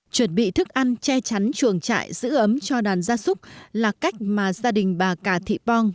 chuẩn bị thức ăn che chắn chuồng trại giữ ấm cho đàn gia súc là cách mà gia đình bà cà thị bong